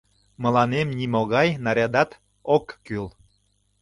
Мыланем нимогай нарядат ок кӱл.